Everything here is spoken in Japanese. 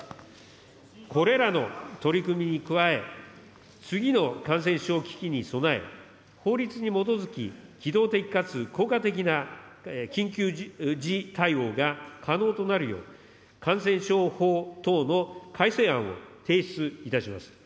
これらの取り組みに加え、次の感染症危機に備え、法律に基づき、機動的かつ効果的な緊急時対応が可能となるよう、感染症法等の改正案を提出いたします。